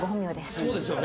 そうですよね？